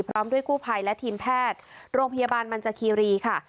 พร้อมด้วยกู้ภัยและทีมแพทย์โรงพยาบาลมันจคีรีค่ะ